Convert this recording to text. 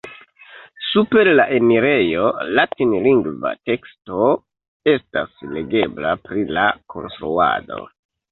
Super la enirejo latinlingva teksto estas legebla pri la konstruado.